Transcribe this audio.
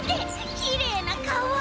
きれいなかわ！